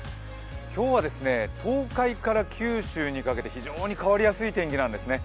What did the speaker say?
今日は東海から九州にかけて非常に変わりやすい天気なんですね。